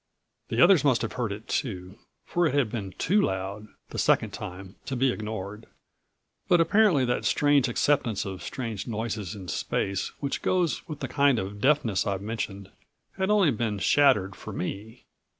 The others must have heard it too, for it had been too loud, the second time, to be ignored. But apparently that strange acceptance of strange noises in space which goes with the kind of deafness I've mentioned had only been shattered for me.